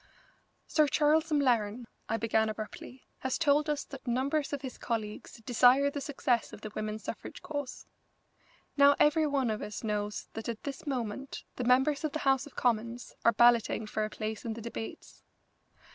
"Sir Charles M'Laren," I began abruptly, "has told us that numbers of his colleagues desire the success of the women's suffrage cause. Now every one of us knows that at this moment the members of the House of Commons are balloting for a place in the debates.